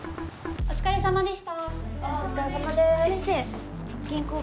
お疲れさまでした。